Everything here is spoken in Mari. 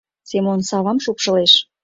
Семон савам шупшылеш